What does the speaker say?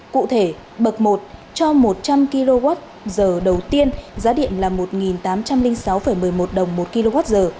cụ thể bậc một cho một trăm linh kwh đầu tiên giá điện là một tám trăm linh sáu một mươi một đồng một kwh